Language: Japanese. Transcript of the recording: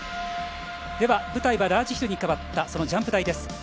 では舞台はラージヒルに変わったジャンプ台です。